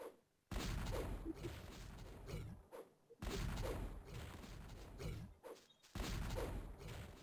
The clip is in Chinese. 随后央视电视剧频道也开始播出。